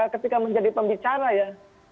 ketika menjadi pembicara ya